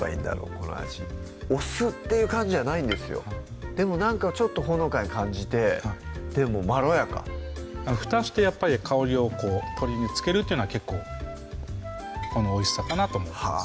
この味お酢っていう感じじゃないんですよでもなんかちょっとほのかに感じてでもまろやかふたしてやっぱり香りを鶏につけるっていうのは結構このおいしさかなと思います